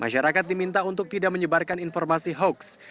masyarakat diminta untuk tidak menyebarkan informasi hoax